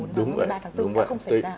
và ngày một mươi ba tháng bốn đã không xảy ra